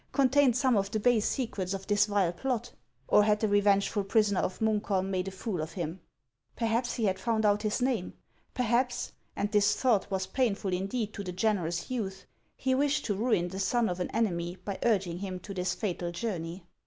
contained some of the base secrets of this vile plot ? Or had the revengeful prisoner of Munkholm made a fool of him ? Perhaps he had found out his name; perhaps — and this thought was painful indeed to the generous youth — he wished to ruin the son of an enemy by urging him to this fatal journey!